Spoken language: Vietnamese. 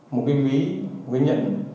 một cái ví một cái nhẫn